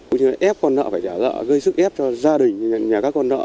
cũng như là ép con nợ phải trả nợ gây sức ép cho gia đình nhà các con nợ